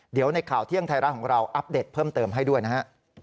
เดี๋ยวในข่าวเที่ยงไทยรัฐของเราอัปเดตเพิ่มเติมให้ด้วยนะฮะ